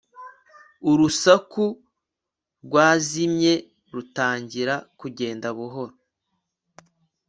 urusaku rwazimye rutangira kugenda buhoro